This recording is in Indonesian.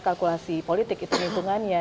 kalkulasi politik itu lingkungannya